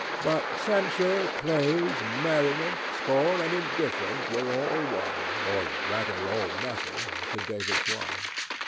But censure, praise, merriment, scorn and indifference were all one—or, rather, all nothing—to David Swan.